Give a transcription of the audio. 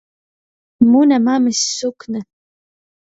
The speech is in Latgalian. Muna mamys sukne.